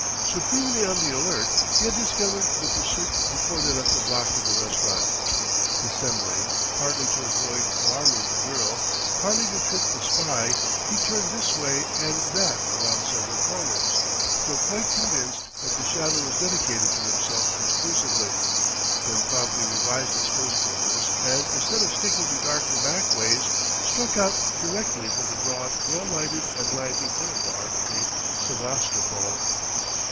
Supremely on the alert, he had discovered the pursuit before they left the block of the restaurant. Dissembling, partly to avoid alarming the girl, partly to trick the spy, he turned this way and that round several corners, until quite convinced that the shadow was dedicated to himself exclusively, then promptly revised his first purpose and, instead of sticking to darker back ways, struck out directly for the broad, well lighted and lively boulevard de Sébastopol.